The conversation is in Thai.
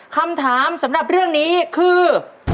คำถามสำหรับเรื่องนี้คือ